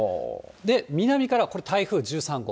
で、南からこれ、台風１３号。